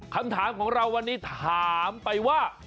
คำถามของเราวันนี้ถามไปว่า